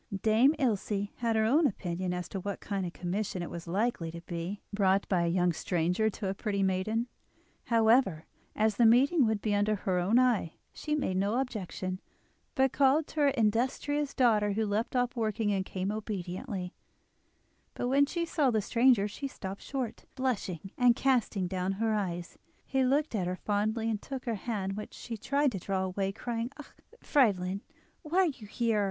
Dame Ilse had her own opinion as to what kind of commission it was likely to be—brought by a young stranger to a pretty maiden; however, as the meeting would be under her own eye, she made no objection, but called to her industrious daughter, who left off working and came obediently; but when she saw the stranger she stopped short, blushing, and casting down her eyes. He looked at her fondly, and took her hand, which she tried to draw away, crying: "Ah! Friedlin, why are you here?